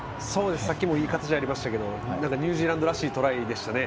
さっきもいい感じのがありましたけどニュージーランドらしいトライでしたね。